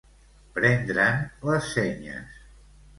Prendre'n les senyes.